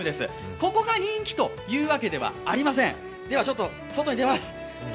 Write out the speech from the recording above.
ここが人気というわけではありません。